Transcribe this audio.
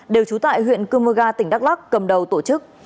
đều trú tại huyện cơ mơ ga tỉnh đắk lắc cầm đầu tổ chức